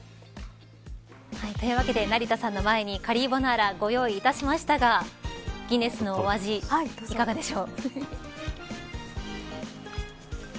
というわけで、成田さんの前にカリーボナーラをご用意いたしましたがギネスのお味、いかがでしょう。